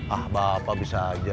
ah bapak bisa aja